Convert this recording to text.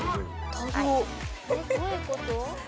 タグを・えっどういうこと？